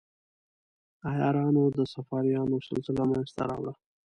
عیارانو د صفاریانو سلسله منځته راوړه.